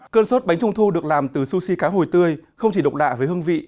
cơn sốt bánh trung thu được làm từ sushi cá hồi tươi không chỉ độc lạ với hương vị